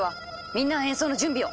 みんなは演奏の準備を！